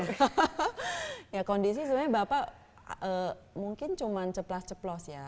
kalau di situ sebenarnya bapak mungkin cuma ceplas ceplos ya